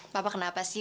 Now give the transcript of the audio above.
bapak kenapa sih